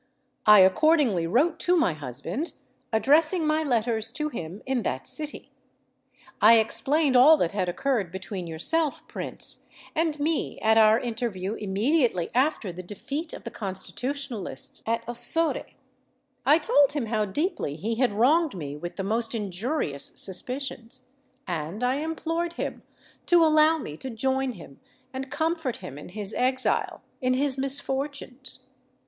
I accordingly wrote to my husband, addressing my letters to him in that city. I explained all that had occurred between yourself, Prince, and me at our interview immediately after the defeat of the Constitutionalists at Ossore: I told him how deeply he had wronged me with the most injurious suspicions; and I implored him to allow me to join him, and comfort him in his exile—in his misfortunes!